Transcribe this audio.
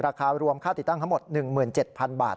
ราคารวมค่าติดตั้งทั้งหมด๑๗๐๐บาท